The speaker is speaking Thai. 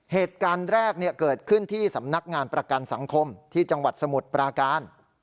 เหตุการณ์แรกเกิดขึ้นที่สำนักงานประกันสังคมที่จังหวัดสมุทรปราการ